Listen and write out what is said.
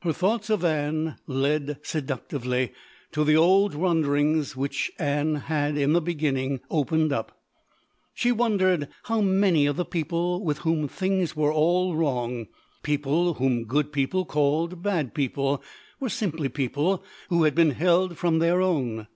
Her thoughts of Ann led seductively to the old wonderings which Ann had in the beginning opened up. She wondered how many of the people with whom things were all wrong, people whom good people called bad people, were simply people who had been held from their own.